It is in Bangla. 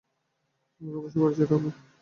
আমাকে অবশ্যই বাড়ি যেতে হবে।